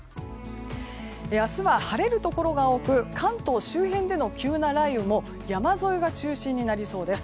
明日は晴れるところが多く関東周辺での急な雷雨も山沿いが中心になりそうです。